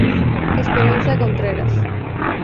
Esperanza Contreras.